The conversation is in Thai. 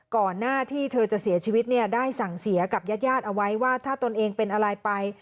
ก่อนหน้าที่เธอจะเสียชีวิตเนี่ยได้สั่งเสียกับญาติญาติเอาไว้ว่าถ้าตนเองเป็นอะไรไป